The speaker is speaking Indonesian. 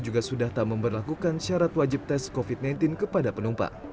juga sudah tak memperlakukan syarat wajib tes covid sembilan belas kepada penumpang